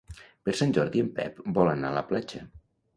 Per Sant Jordi en Pep vol anar a la platja.